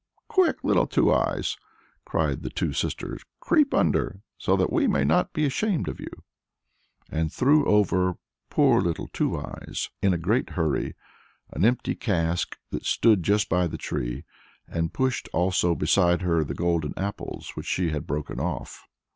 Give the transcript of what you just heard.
"Quick, Little Two Eyes," cried the two sisters, "creep under, so that we may not be ashamed of you," and threw over poor Little Two Eyes, in a great hurry, an empty cask that stood just by the tree, and pushed also beside her the golden apples which she had broken off.